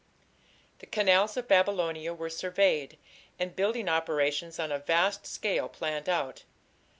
The canals of Babylonia were surveyed, and building operations on a vast scale planned out.